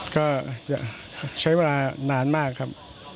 ก็จะใช้เวลานานมากครับ